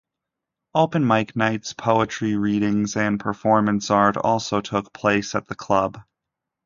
Open mic nights, poetry readings, and performance art also took place at the club.